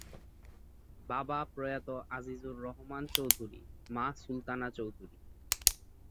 বাবা প্রয়াত আজিজুর রহমান চৌধুরী, মা সুলতানা চৌধুরী।